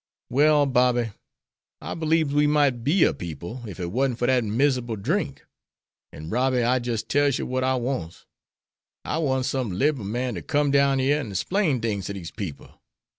"Well, Bobby, I beliebs we might be a people ef it warn't for dat mizzable drink. An' Robby, I jis' tells yer what I wants; I wants some libe man to come down yere an' splain things ter dese people.